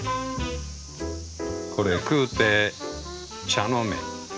「これ食うて茶のめ」。